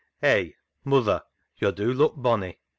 " Hay, muther, yo' do look bonny.